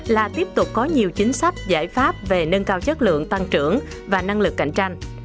là tiếp tục có nhiều chính sách giải pháp về nâng cao chất lượng tăng trưởng và năng lực cạnh tranh